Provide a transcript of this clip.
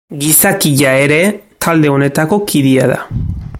Gizakia ere talde honetako kidea da.